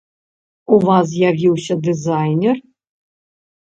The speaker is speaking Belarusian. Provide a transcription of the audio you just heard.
У вас з'явіўся дызайнер?